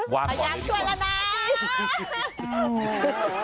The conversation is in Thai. พยายามช่วยแล้วนะ